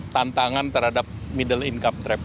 tantangan terhadap middle income trap